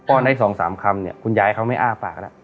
ป้อนให้สองสามคำเนี้ยคุณยายเขาไม่อ้าฟากแล้ว